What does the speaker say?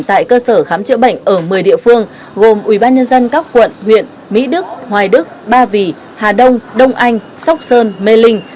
tại cơ sở khám chữa bệnh ở một mươi địa phương gồm ubnd các quận huyện mỹ đức hoài đức ba vì hà đông đông anh sóc sơn mê linh